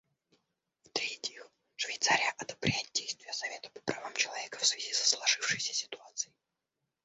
В-третьих, Швейцария одобряет действия Совета по правам человека в связи со сложившейся ситуацией.